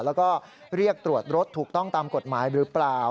แล้วก็เรียกตรวจรถถูกต้องตามกฎหมายหรือเปล่า